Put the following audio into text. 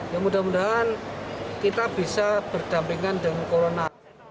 ya mudah mudahan kita bisa berdampingan dengan corona